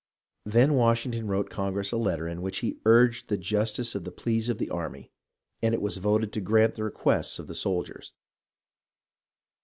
Then Washington wrote Congress a letter in which he urged the justice of the pleas of the army, and it was voted to grant the requests of the soldiers.